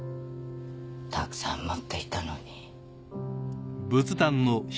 たくさん持っていたのに。